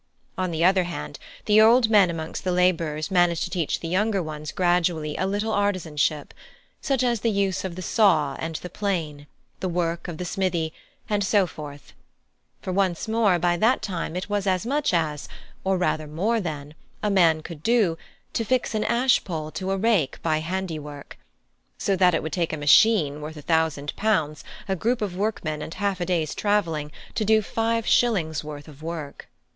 On the other hand, the old men amongst the labourers managed to teach the younger ones gradually a little artizanship, such as the use of the saw and the plane, the work of the smithy, and so forth; for once more, by that time it was as much as or rather, more than a man could do to fix an ash pole to a rake by handiwork; so that it would take a machine worth a thousand pounds, a group of workmen, and half a day's travelling, to do five shillings' worth of work.